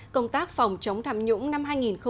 công tác phòng chống tham nhũng năm hai nghìn một mươi tám